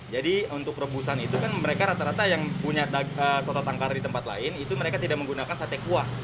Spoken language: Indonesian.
jadi untuk rebusan itu kan mereka rata rata yang punya soto tangkar di tempat lain itu mereka tidak menggunakan sate kuah